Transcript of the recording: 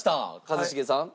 一茂さん。